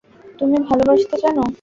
তুমি ভালোবাসতে জানো।